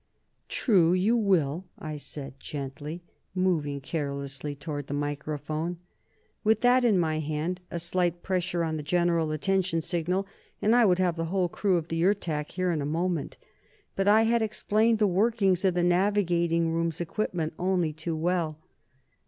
"True; you will," I said gently, moving carelessly toward the microphone. With that in my hand, a slight pressure on the General Attention signal, and I would have the whole crew of the Ertak here in a moment. But I had explained the workings of the navigating room's equipment only too well.